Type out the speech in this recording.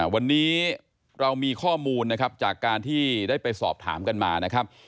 วันนี้เรามีข้อมูลนะครับจากการที่ได้ไปสอบถามกันมานะครับ